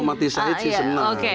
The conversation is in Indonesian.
mbak tisait sih senang